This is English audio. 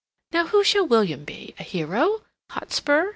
Now who shall William be? A hero? Hotspur?